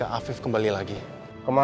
dan penyembahlerankan mereka